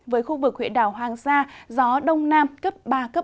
với khu vực huyện đảo hoàng sa gió đông nam cấp ba bốn